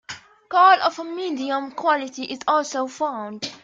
Coal of a medium quality is also found.